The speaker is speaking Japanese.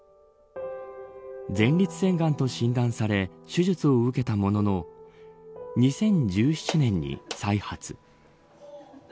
前立腺がんと診断され手術を受けたものの２０１７年に再発。